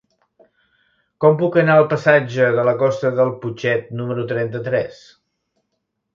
Com puc anar al passatge de la Costa del Putxet número trenta-tres?